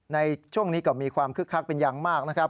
ในช่วงนี้ก็มีความคึกคักเป็นอย่างมากนะครับ